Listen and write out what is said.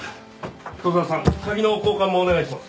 砥沢さん鍵の交換もお願いします。